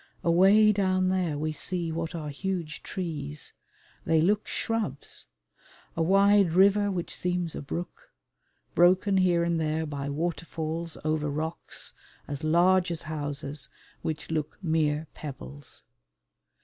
Away down there we see what are huge trees: they look shrubs; a wide river which seems a brook, broken here and there by waterfalls over rocks, as large as houses, which look mere pebbles.